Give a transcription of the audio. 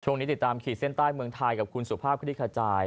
ติดตามขีดเส้นใต้เมืองไทยกับคุณสุภาพคลิกขจาย